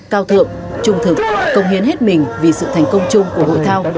cao thượng trung thực công hiến hết mình vì sự thành công chung của hội thao